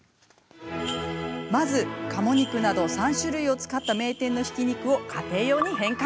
まず、鴨肉など３種類を使った名店のひき肉を家庭用に変換。